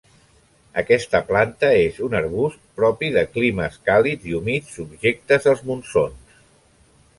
Aquesta planta és un arbust propi de climes càlids i humits subjectes als monsons.